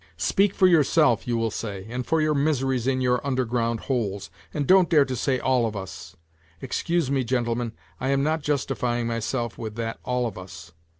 Speak for yourself, you will say, and for your miseries in your underground holes, and don't dare to say all of us excuse me, gentlemen, I am not justifying myself with that " all of us."